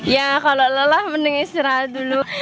ya kalau lelah mending istirahat dulu